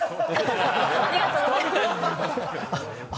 ありがとうございます。